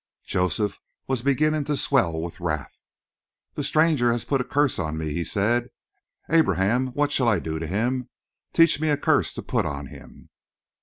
Joseph was beginning to swell with wrath. "The stranger has put a curse on me," he said. "Abraham, what shall I do to him? Teach me a curse to put on him!"